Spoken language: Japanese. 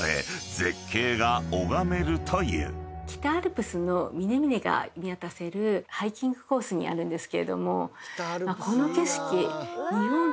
北アルプスの峰々が見渡せるハイキングコースにあるんですけれども。